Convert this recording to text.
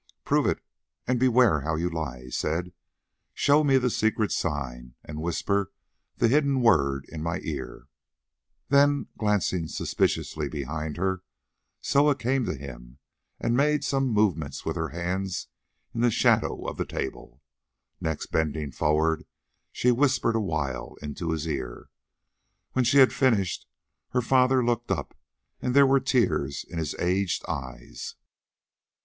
"Prove it, and beware how you lie," he said. "Show me the secret sign, and whisper the hidden word into my ear." Then, glancing suspiciously behind her, Soa came to him, and made some movements with her hands in the shadow of the table. Next bending forward, she whispered awhile into his ear. When she had finished, her father looked up, and there were tears in his aged eyes.